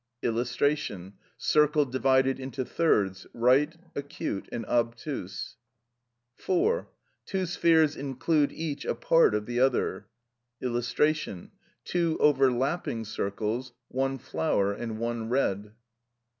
[Illustration: Circle divided into thirds "right", "acute", and "obtuse".] (4.) Two spheres include each a part of the other. [Illustration: Two overlapping circles, one "flower" and one "red".